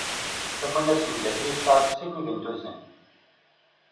Tafunast n Dda Akli tesɛa-d sin n yigenduzen.